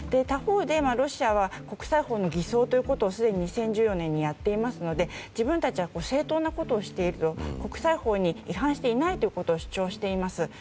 他方で、ロシアは国際法の偽装ということをすでに２０１４年にやっていますので自分たちは正当なことをしている国際法に違反していないと主張しています。